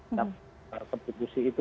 untuk kontribusi itu